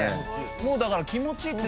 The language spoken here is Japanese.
もうだから。